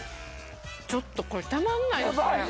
ちょっとこれたまんないですね。